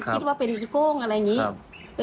คิดว่าเป็นโก้งอะไรอย่างนี้